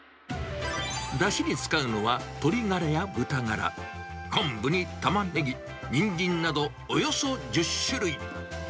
だしに使うのは鶏ガラや豚ガラ、昆布にタマネギ、ニンジンなどおよそ１０種類。